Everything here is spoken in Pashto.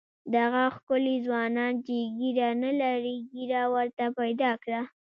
دغه ښکلي ځوانان چې ږیره نه لري ږیره ورته پیدا کړه.